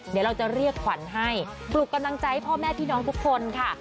เดี๋ยวเราจะเรียกขวัญให้ปลุกกำลังใจให้พ่อแม่พี่น้องทุกคนค่ะ